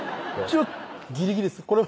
ギリギリですこれ